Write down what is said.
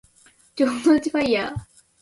城之内ファイアー